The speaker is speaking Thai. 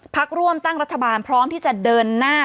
พักร่วมตั้งรัฐบาลพร้อมที่จะเดินหน้า